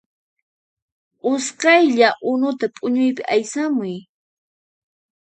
Usqhaylla unuta p'uñuypi aysamuy